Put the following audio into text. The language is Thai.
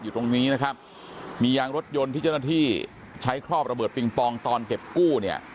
อยู่ตรงนี้นะครับมียางรถยนต์ที่เจ้าหน้าที่ใช้ครอบระเบิดปิงปองตอนเก็บกู้เนี่ย